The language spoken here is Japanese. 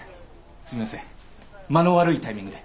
すいません間の悪いタイミングで。